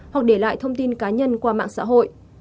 hoặc để lại thông tin cá nhân của người dân